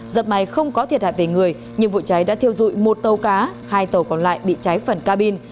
dập may không có thiệt hại về người nhưng vụ cháy đã thiêu dụi một tàu cá hai tàu còn lại bị cháy phần cabin